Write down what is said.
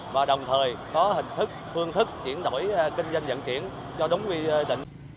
và đồng thời có hình thức phương thức chuyển đổi kinh doanh dận chuyển cho đúng quy định